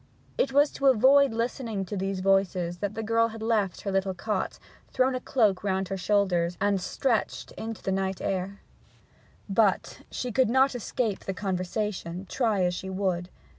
It was to avoid listening to these voices that the girl had left her little cot, thrown a cloak round her head and shoulders, and stretched into the night air. But she could not escape the conversation, try as she would.